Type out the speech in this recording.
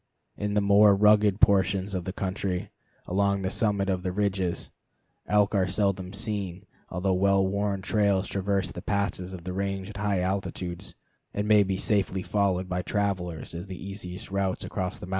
In the more rugged portions of the country along the summit of the ridges, elk are seldom seen, although well worn trails traverse the passes of the range at high altitudes, and may be safely followed by travelers as the easiest routes across the mountains.